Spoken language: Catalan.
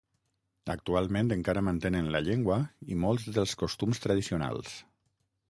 Actualment encara mantenen la llengua i molts dels costums tradicionals.